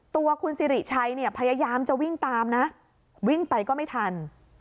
ตัวคุณสิริชัยเนี่ยพยายามจะวิ่งตามนะวิ่งไปก็ไม่ทัน